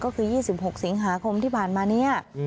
ก็คือ๒๖สิงหาคมที่ผ่านมาเนี่ย